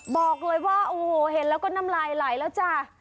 บอกเลยว่าโอ้โหเห็นแล้วก็น้ำลายไหลแล้วจ้ะ